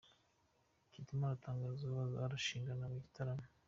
Kidumu aratangaza uwo bazarushingana mu gitaramo